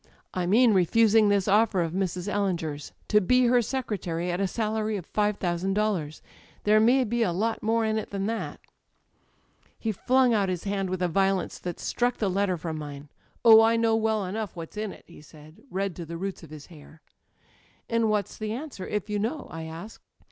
"'I mean refusing this offer of Mrs. EUinger's: to be her secretary at a salary of five thousand dollars. There may be a lot more in it than that.' "He flung out his hand with a violence that struck [ 270 ] Digitized by LjOOQ IC THE EYES the letter from mine. *Oh, I know well enough what's in it!* he said, red to the roots of his hair. "*And what's the answer, if you know?' I asked.